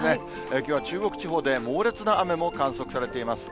きょうは中国地方で猛烈な雨も観測されています。